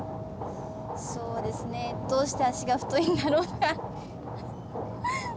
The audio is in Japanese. そうですねどうして足が太いんだろう。